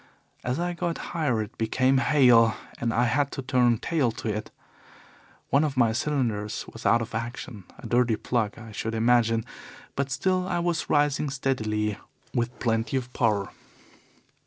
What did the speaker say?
As I got higher it became hail, and I had to turn tail to it. One of my cylinders was out of action a dirty plug, I should imagine, but still I was rising steadily with plenty of power.